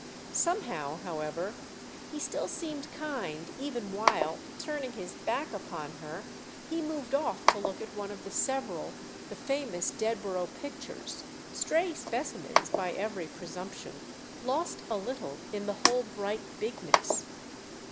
Somehow, however, he still seemed kind even while, turning his back upon her, he moved off to look at one of the several, the famous Dedborough pictures—stray specimens, by every presumption, lost a little in the whole bright bigness.